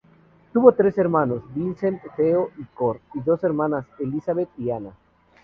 Tuvo tres hermanos, Vincent, Theo, y Cor, y dos hermanas Elisabeth y Anna.